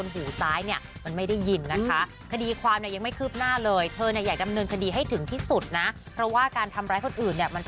ไปสวายพ่อหงพระธาตุครับ